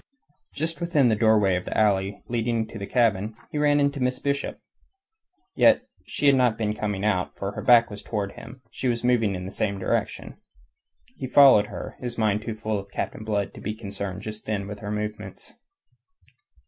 Just within the doorway of the alley leading to the cabin, he ran into Miss Bishop. Yet she had not been coming out, for her back was towards him, and she was moving in the same direction. He followed her, his mind too full of Captain Blood to be concerned just then with her movements.